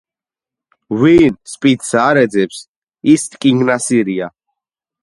ვინ მოყვარესა არ ეძებს, იგი თავისა მტერია